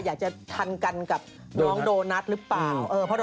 ในช่วงหน้านะคะคุณอนานดานี่